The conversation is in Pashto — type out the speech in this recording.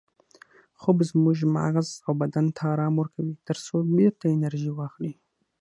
خوب زموږ مغز او بدن ته ارام ورکوي ترڅو بیرته انرژي واخلي